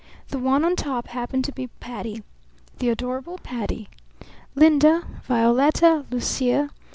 The one on top happened to be Patti. The adorable Patti!... Linda, Violetta, Lucia.